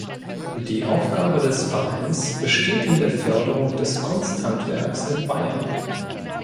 Die Aufgabe des Vereins besteht in der Förderung des Kunsthandwerks in Bayern.